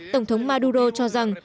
tổng thống maduro cho rằng